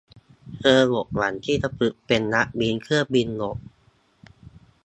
เธอหมดหวังที่จะฝึกเป็นนักบินเครื่องบินรบ